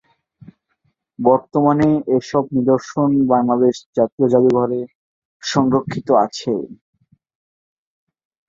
বর্তমানে এসব নিদর্শন বাংলাদেশ জাতীয় জাদুঘরে সংরক্ষিত আছে।